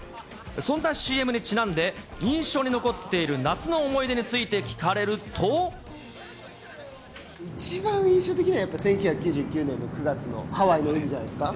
そんなＣＭにちなんで、印象に残っている夏の思い出について聞か一番印象的なのは、１９９９年の９月のハワイの海じゃないですか。